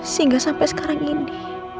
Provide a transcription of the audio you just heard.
sehingga sampai sekarang ini